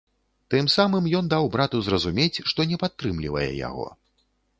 Тым самым ён даў брату зразумець, што не падтрымлівае яго.